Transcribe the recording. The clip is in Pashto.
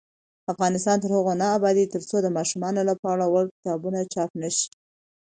افغانستان تر هغو نه ابادیږي، ترڅو د ماشومانو لپاره وړ کتابونه چاپ نشي.